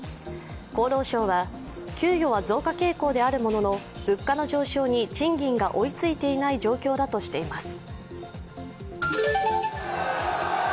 厚労省は給与は増加傾向であるものの物価の上昇に賃金が追いついていない状況だとしています。